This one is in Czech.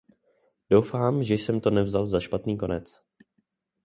Doufám, že jsem to nevzal za špatněj konec.